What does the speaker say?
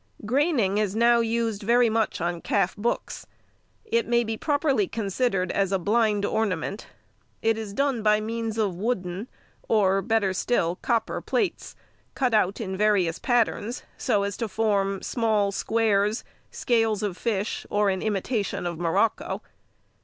_—Graining is now used very much on calf books. It may be properly considered as a blind ornament. It is done by means of wooden, or, better still, copper plates cut out in various patterns, so as to form small squares, scales of fish, or an imitation of morocco.